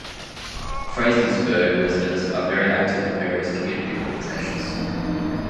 Frazeysburg residents are very active in various community organizations.